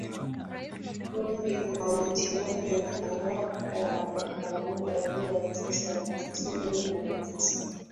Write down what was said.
Kwenye mahojiano ya mwaka wa elfu moja mia tisa tisini na tisa